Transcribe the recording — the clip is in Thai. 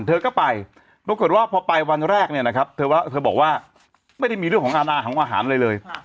เธอก็ไปน่ะเธอบอกว่าไม่มีเรื่องของอนามของอาหารเลยเลย